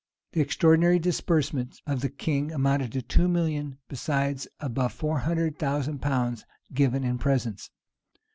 The extraordinary disbursements of the king amounted to two millions; besides above four hundred thousand pounds given in presents.